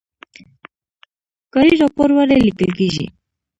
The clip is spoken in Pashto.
کاري راپور ولې لیکل کیږي؟